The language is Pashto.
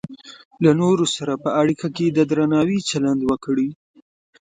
له نورو سره په اړیکه کې د درناوي چلند وکړئ.